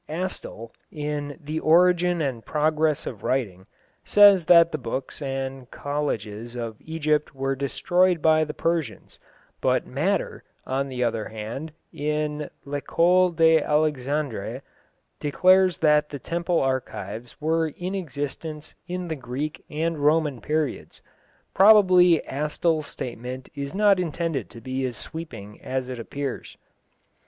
Astle, in The Origin and Progress of Writing, says that the books and colleges of Egypt were destroyed by the Persians, but Matter, on the other hand, in L'École d'Alexandrie, declares that the temple archives were in existence in the Greek and Roman periods. Probably Astle's statement is not intended to be as sweeping as it appears.